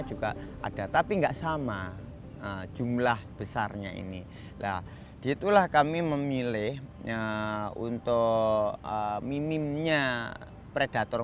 juga ada tapi enggak sama jumlah besarnya ini nah disitulah kami memilihnya untuk minimnya predator